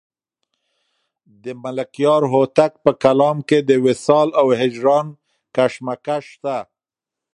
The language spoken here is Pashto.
د ملکیار هوتک په کلام کې د وصال او هجران کشمکش شته.